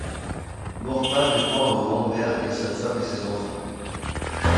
Maurepas vit pendre aux grandes vergues sa femme et ses enfants.